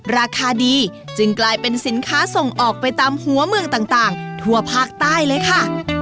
ราคาดีจึงกลายเป็นสินค้าส่งออกไปตามหัวเมืองต่างทั่วภาคใต้เลยค่ะ